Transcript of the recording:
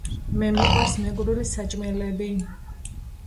მე მიყვარს მეგრული საჭმელები.